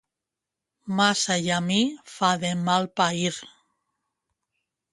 Massa llamí fa de mal pair.